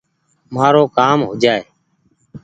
مآرو ڪآم هو جآئي